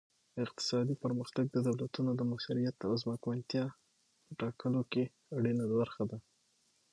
اقتصادي پرمختګ د دولتونو د موثریت او ځواکمنتیا په ټاکلو کې اړینه برخه ده